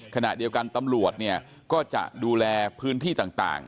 ขณะเดียวกันตำรวจเนี่ยก็จะดูแลพื้นที่ต่าง